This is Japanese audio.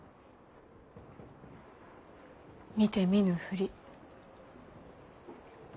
見て見ぬふり。